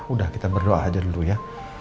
udah kita berdoa aja dulu ya